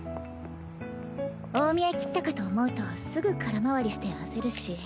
大見得切ったかと思うとすぐ空回りして焦るし。